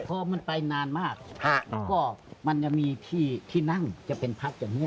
พอมันไปนานมากก็มันจะมีที่นั่งจะเป็นพักอย่างนี้